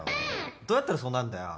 どうやったらそうなんだよ。